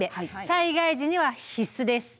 災害時には必須です。